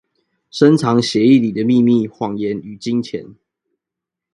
深藏血液裡的祕密、謊言與金錢